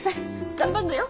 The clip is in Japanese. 頑張るのよ！